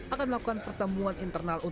akan melakukan pertemuan internal